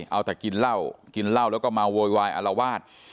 เอาแต่กินเหล้ากินเหล้าแล้วก็เมาโวยวายอารวาส